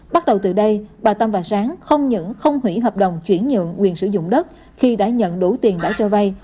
bắt đầu từ đây bà tâm và sáng không những không hủy hợp đồng chuyển nhượng quyền sử dụng đất khi đã nhận đủ tiền đã cho vay